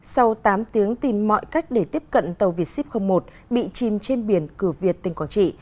sau tám tiếng tìm mọi cách để tiếp cận tàu vietship một bị chìm trên biển cửa việt tỉnh quảng trị